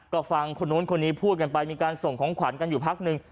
ก็ฟังคนนู้นคนนี้พูดกันไปมีการส่งของขวัญกันอยู่พักหนึ่ง